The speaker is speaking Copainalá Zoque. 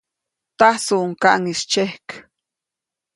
Tajsuʼuŋ kaŋʼis tsyejk.